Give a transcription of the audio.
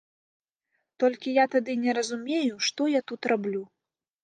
Толькі я тады не разумею, што я тут раблю.